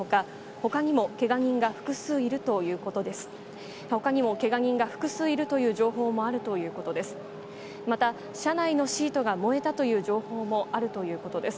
ほかにもけが人が複数いるという情報もあるということです。